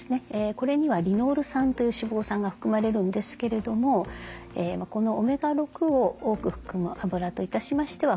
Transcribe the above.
これにはリノール酸という脂肪酸が含まれるんですけれどもこのオメガ６を多く含むあぶらといたしましては